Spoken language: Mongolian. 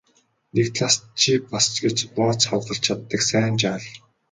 Нэг талаас чи бас ч гэж нууц хадгалж чаддаг сайн жаал.